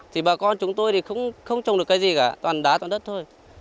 thì bà con chúng tôi thì không trồng được cái gì cả toàn đá toàn đất thôi